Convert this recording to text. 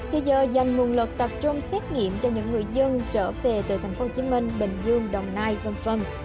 thì giờ dành nguồn lực tập trung xét nghiệm cho những người dân trở về từ tp hcm bình dương đồng nai v v